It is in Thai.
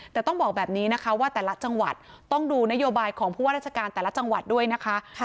แต่ต้องบอกแบบนี้นะคะว่าแต่ละจังหวัดต้องดูนโยบายของผู้ว่าราชการแต่ละจังหวัดด้วยนะคะ